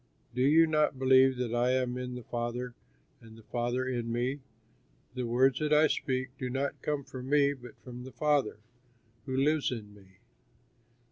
Do you not believe that I am in the Father and the Father in me? The words that I speak do not come from me but from the Father who lives in me.